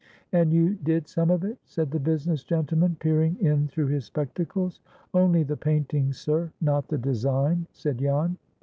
"And you did some of it?" said the business gentleman, peering in through his spectacles. "Only the painting, sir, not the design," said Jan.